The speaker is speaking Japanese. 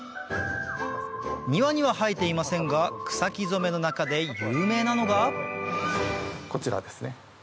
庭には生えていませんが草木染めの中で有名なのがこちらですね。